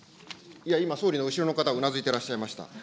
いや、今、総理の後ろの方うなずいてらっしゃいました。